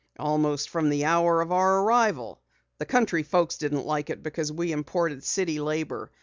"Almost from the hour of our arrival. The country folks didn't like it because we imported city labor.